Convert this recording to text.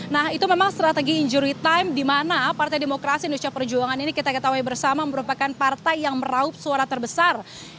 nah itu memang strategi injury time di mana partai demokrasi indonesia perjuangan ini kita ketahui bersama merupakan partai yang meraup suara terbesar